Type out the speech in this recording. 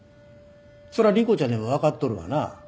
それは莉湖ちゃんにも分かっとるわな？